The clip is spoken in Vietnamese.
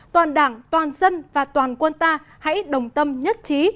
toàn đảng toàn dân và toàn quân ta hãy đồng tâm nhất trí